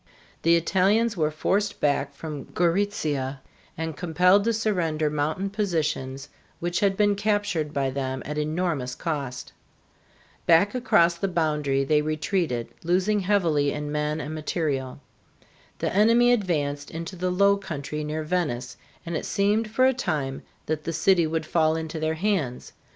The Italians were forced back from Gorizia and compelled to surrender mountain positions which had been captured by them at enormous cost. Back across the boundary they retreated, losing heavily in men and material. The enemy advanced into the low country near Venice, and it seemed for a time that the city would fall into their hands.